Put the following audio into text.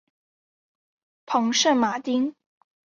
蓬圣马丁。